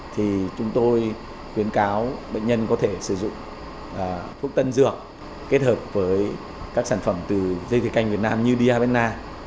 thì chúng tôi khuyến cáo bệnh nhân có thể sử dụng thuốc tân dược kết hợp với các sản phẩm từ dây thỉa canh việt nam như diabenna